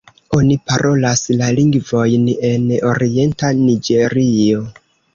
Oni parolas la lingvojn en orienta Niĝerio.